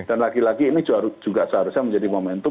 dan lagi lagi ini juga seharusnya menjadi momentum